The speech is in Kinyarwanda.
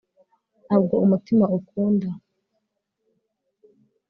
Ntabwo umutima ukunda